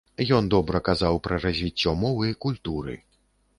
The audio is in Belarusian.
Ён добра казаў пра развіццё мовы, культуры.